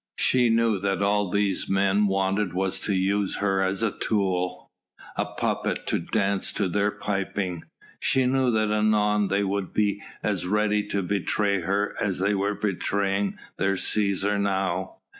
She knew that all these men wanted was to use her as a tool a puppet to dance to their piping. She knew that anon they would be as ready to betray her as they were betraying their Cæsar now.